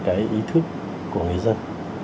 cái ý thức của người dân